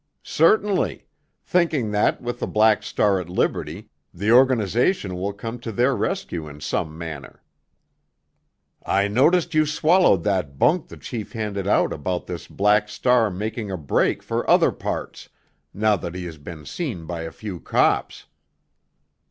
"Certainly—thinking that, with the Black Star at liberty, the organization will come to their rescue in some manner." "I noticed you swallowed that bunk the chief handed out about this Black Star making a break for other parts, now that he has been seen by a few cops."